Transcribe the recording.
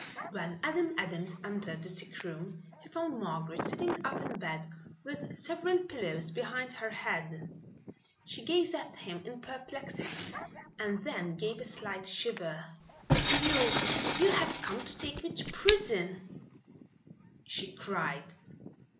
When Adam Adams entered the sick room he found Margaret sitting up in bed with several pillows behind her head. She gazed at him in perplexity and then gave a slight shiver. "You you have come to take me to prison," she cried.